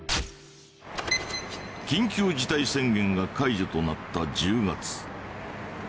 緊急事態宣言が解除となった。